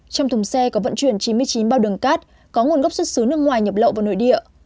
trong thùng xe có vận chuyển chín mươi chín bao đường cát có nguồn gốc xuất xứ nước ngoài nhập lậu vào nội địa